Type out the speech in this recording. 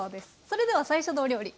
それでは最初のお料理